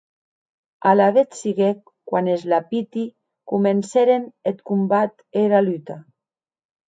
Alavetz siguec quan es lapiti comencèren eth combat e era luta.